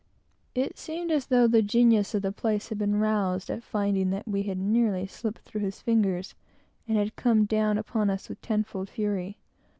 It seemed as though the genius of the place had been roused at finding that we had nearly slipped through his fingers, and had come down upon us with tenfold fury.